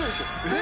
え！